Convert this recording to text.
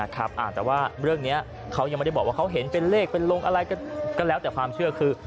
แต่ว่าเรื่องนี้เขายังไม่ได้บอกว่าเขาเห็นเป็นเลขเป็นลงอะไรก็แล้วแต่ความเชื่อคือ